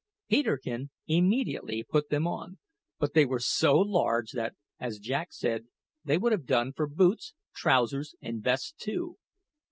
Peterkin immediately put them on; but they were so large that, as Jack said, they would have done for boots, trousers, and vest too.